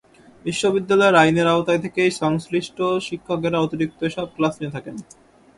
বিশ্ববিদ্যালয়ের আইনের আওতায় থেকেই সংশ্লিষ্ট শিক্ষকেরা অতিরিক্ত এসব ক্লাস নিয়ে থাকেন।